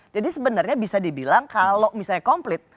jadi sebenarnya bisa dibilang kalau misalnya komplit